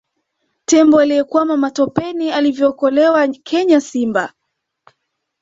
Tembo aliyekwama matopeni alivyookolewa Kenya Simba